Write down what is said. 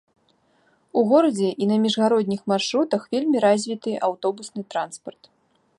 У горадзе і на міжгародніх маршрутах вельмі развіты аўтобусны транспарт.